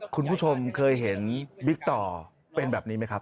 คุณผู้ชมเคยเห็นบิ๊กต่อเป็นแบบนี้ไหมครับ